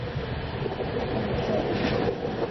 旺特伊。